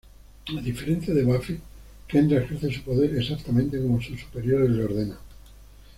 A diferencia de Buffy, Kendra ejerce su poder "exactamente como sus superiores le ordenan".